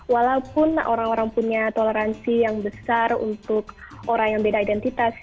walaupun orang orang punya toleransi yang besar untuk orang yang beda identitas